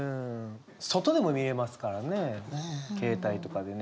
外でも見れますからね携帯とかでね。